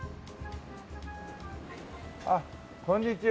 あっこんにちは。